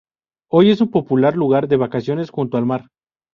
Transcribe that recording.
Hoy es un popular lugar de vacaciones junto al mar.